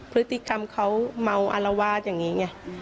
พฤติกรรมเขาเมาอารวาสอย่างนี้ไง